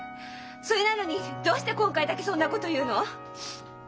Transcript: それなのにどうして今回だけそんなこと言うの？